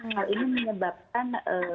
hal ini menyebabkan